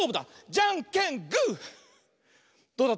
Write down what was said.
じゃんけんぽい！